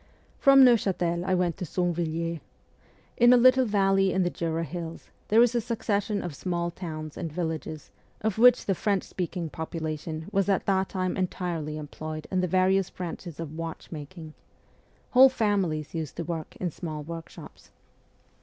From Neuchatel I went to Sonvilliers. In a little valley in the Jura hills there is a succession of small towns and villages of which the French speaking population was at that time entirely employed in the various branches of watchmaking ; whole families used to work in small workshops.